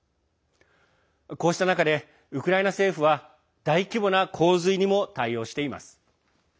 こうした中でウクライナ政府は大規模な洪水にも対応しています。